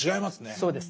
そうですね。